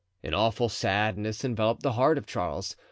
An awful sadness enveloped the heart of Charles.